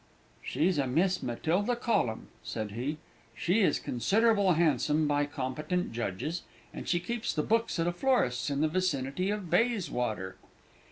"She's a Miss Matilda Collum," said he; "she is considered handsome by competent judges, and she keeps the books at a florist's in the vicinity of Bayswater."